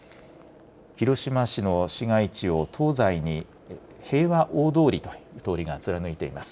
広島市の市街地を東西に平和大通りという通りが貫いています。